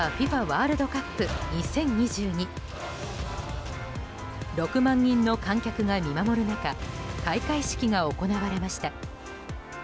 ワールドカップ２０２２６万人の観客が見守る中開会式が行われました。